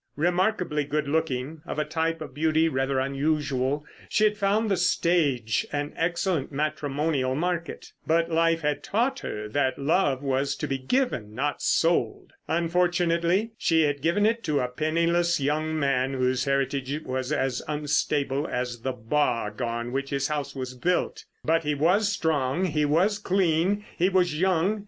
Remarkably good looking, of a type of beauty rather unusual, she had found the stage an excellent matrimonial market. But life had taught her that love was to be given, not sold. Unfortunately, she had given it to a penniless young man whose heritage was as unstable as the bog on which his house was built. But he was strong, he was clean, he was young.